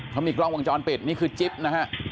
เขามีกล้องวงจรปิดนี่คือจิ๊บนะฮะ